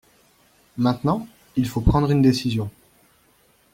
Maintenant, il faut prendre une décision.